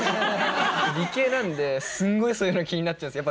理系なんですごいそういうの気になっちゃうんです。